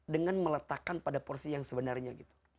dengan meletakkan pada porsi yang sebenarnya gitu